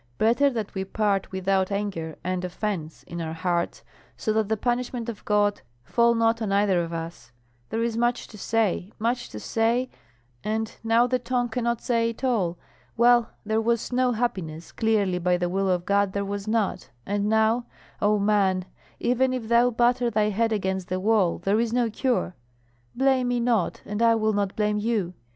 Better that we part without anger and offence in our hearts, so that the punishment of God fall not on either of us. There is much to say, much to say, and now the tongue cannot say it all. Well, there was no happiness, clearly by the will of God there was not; and now, O man, even if thou batter thy head against the wall, there is no cure! Blame me not, and I will not blame you.